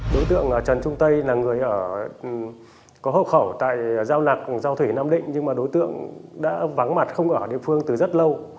đối tượng trần trung tây là người có hộp khẩu tại giao lạc giao thủy nam định nhưng mà đối tượng đã vắng mặt không ở địa phương từ rất lâu